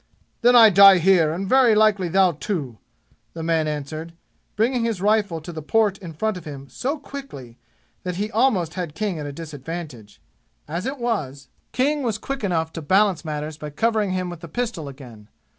"Then I die here, and very likely thou, too!" the man answered, bringing his rifle to the port in front of him so quickly that he almost had King at a disadvantage. As it was, King was quick enough to balance matters by covering him with the pistol again.